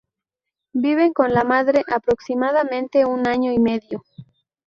Viven con la madre aproximadamente un año y medio.